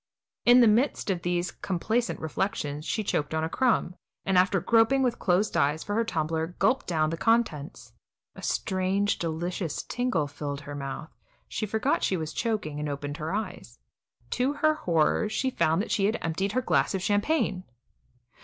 In the midst of these complacent reflections she choked on a crumb, and, after groping with closed eyes for her tumbler, gulped down the contents. A strange, delicious tingle filled her mouth; she forgot she was choking, and opened her eyes. To her horror, she found that she had emptied her glass of champagne.